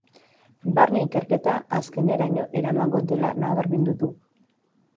Barne ikerketa azkeneraino eramango dela nabarmendu du.